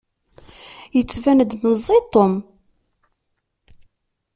Yettban-d meẓẓi Tom.